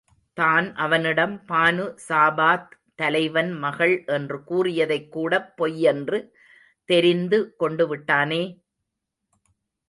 தான் அவனிடம் பானு சாபாத் தலைவன் மகள் என்று கூறியதைக் கூடப் பொய்யென்று, தெரிந்து கொண்டு விட்டானே?